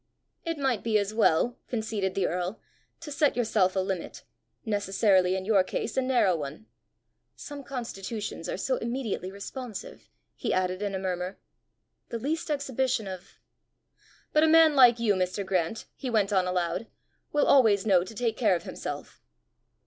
"It might be as well," conceded the earl, "to set yourself a limit necessarily in your case a narrow one. Some constitutions are so immediately responsive!" he added in a murmur. "The least exhibition of ! But a man like you, Mr. Grant," he went on aloud, "will always know to take care of himself!"